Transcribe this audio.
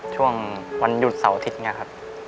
ช่วงวันหยุดเสาร์อาทิตย์เนี่ยครับ